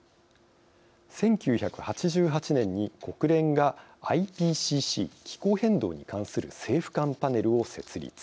１９８８年に国連がＩＰＣＣ「気候変動に関する政府間パネル」を設立。